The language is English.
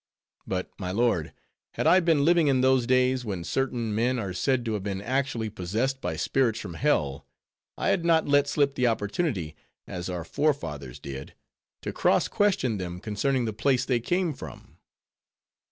But, my lord, had I been living in those days when certain men are said to have been actually possessed by spirits from hell, I had not let slip the opportunity—as our forefathers did—to cross question them concerning the place they came from."